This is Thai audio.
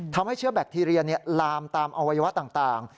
ทำให้เชื้อแบคทีเรียลามตามอวัยวะต่าง